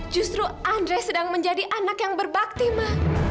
justru andrei sedang menjadi anak yang berbakti ma